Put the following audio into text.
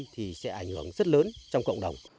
thì sẽ ảnh hưởng rất lớn trong cộng đồng